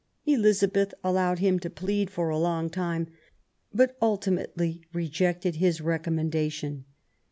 Elizabeth allowed him to plead for a long time, but ultimately rejected his recommendation.